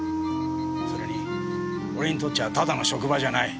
それに俺にとっちゃただの職場じゃない。